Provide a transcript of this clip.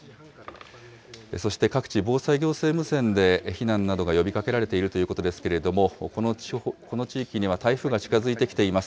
そして各地、防災行政無線で避難などが呼びかけられているということですけれども、この地域には台風が近づいてきています。